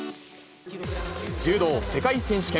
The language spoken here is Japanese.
柔道世界選手権。